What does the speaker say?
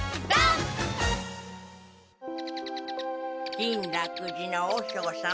金楽寺の和尚様